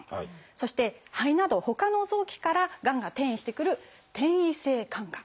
そして肺などほかの臓器からがんが転移してくる「転移性肝がん」。